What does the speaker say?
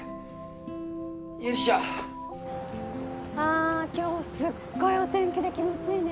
あ今日すっごいお天気で気持ちいいね。